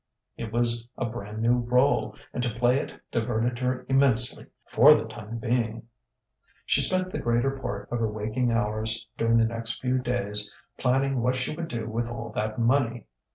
It was a brand new rôle, and to play it diverted her immensely for the time being.... She spent the greater part of her waking hours, during the next few days, planning what she would do with all that money.